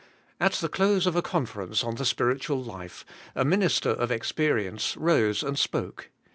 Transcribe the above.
At the close of a conference on the spiritual life, a min ister of experience rose and spoke.